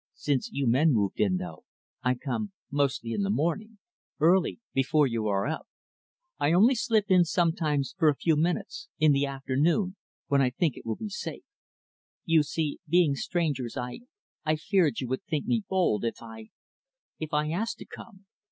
Since you men moved in, though, I come, mostly, in the morning early before you are up. I only slip in, sometimes, for a few minutes, in the afternoon when I think it will be safe. You see, being strangers, I I feared you would think me bold if I if I asked to come.